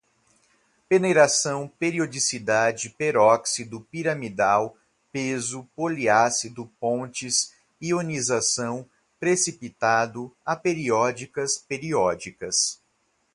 peneiração, periodicidade, peróxido, piramidal, peso, poliácido, pontes, ionização, precipitado, aperiódicas, periódicas